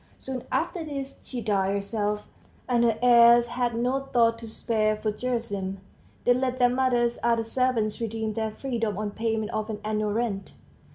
Soon after this she died herself; and her heirs had no thought to spare for Gerasim; they let their mother's other servants redeem their freedom on payment of an annual rent.